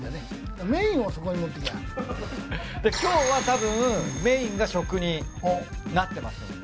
今日はたぶんメインが食になってますんで。